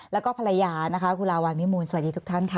และก็ภรรยากุฏราวัลมิมูลสวัสดีทุกท่านค่ะ